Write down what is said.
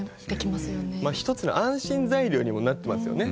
まあ一つの安心材料にもなってますよね。